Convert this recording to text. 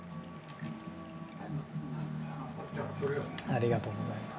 ありがとうございます。